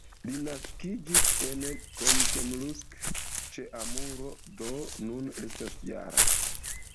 Li naskiĝis en Komsomolsk-ĉe-Amuro, do nun estas -jara.